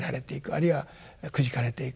あるいはくじかれていく。